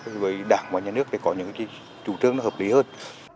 với đảng và nhà nước để có những chủ trương hợp lý hơn